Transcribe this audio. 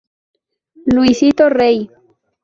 Luisito Rey.